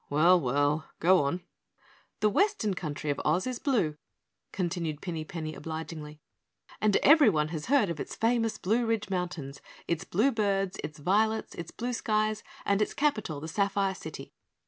"Well well go on " "The Western Country of Oz is blue," continued Pinny Penny obligingly, "and everyone has heard of its famous blue ridge mountains, its blue birds, its violets, its blue skies and its capital, the Sapphire City.